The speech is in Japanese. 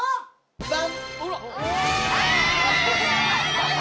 バン！